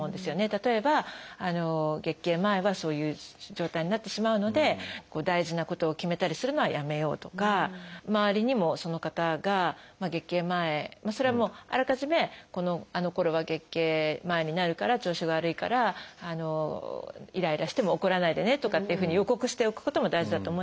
例えば月経前はそういう状態になってしまうので大事なことを決めたりするのはやめようとか周りにもその方が月経前それはもうあらかじめあのころは月経前になるから調子が悪いからイライラしても怒らないでねとかっていうふうに予告しておくことも大事だと思いますし。